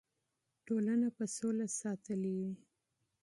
ټولنه به سوله ساتلې وي.